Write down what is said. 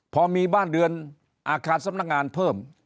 พอมีบ้านเรือนอาคารสำนักงานเพิ่ม